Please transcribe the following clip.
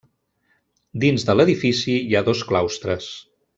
Dins de l'edifici hi ha dos claustres.